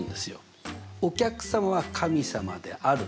「お客様は神様である」